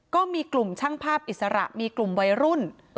ก็มีกลุ่มช่างภาพอิสระมีกลุ่มวัยรุ่น